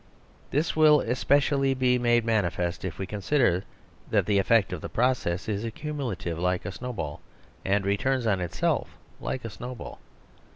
This will especially be made manifest if we consider that the effect of the process is accumulative like a snowball, and returns on itself like a snowball.